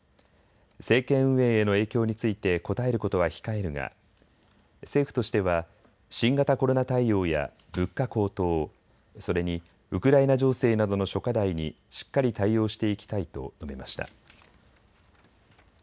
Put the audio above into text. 政権運営への影響について答えることは控えるが政府としては新型コロナ対応や物価高騰、それにウクライナ情勢などの諸課題にしっかり対応していきたいと述べました。